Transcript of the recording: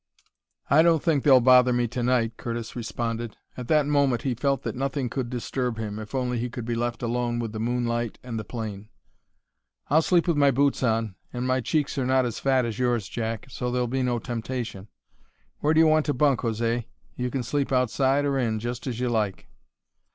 "I don't think they'll bother me to night," Curtis responded. At that moment he felt that nothing could disturb him, if only he could be left alone with the moonlight and the plain. "I'll sleep with my boots on, and my cheeks are not as fat as yours, Jack, so there'll be no temptation. Where do you want to bunk, José? You can sleep outside or in, just as you like."